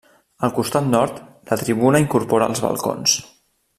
Al costat nord, la tribuna incorpora els balcons.